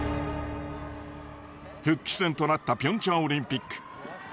復帰戦となったピョンチャンオリンピック。